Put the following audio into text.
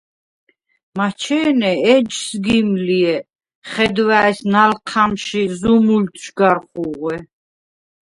მაჩე̄ნე ეჯ სგიმ ლ’ე̄, ხედვა̄̈ის ნალჴა̈მში ზუმულდშვ გარ ხუღვე.